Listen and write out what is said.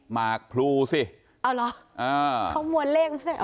มากพรุสิอ๋อเหรอเขามวนเลข